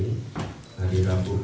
konsepnya ya hampir sama